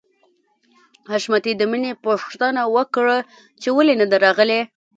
حشمتي د مینې پوښتنه وکړه چې ولې نده راغلې